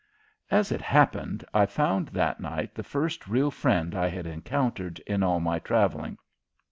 As it happened, I found that night the first real friend I had encountered in all my traveling.